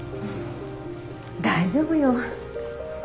大丈夫よ。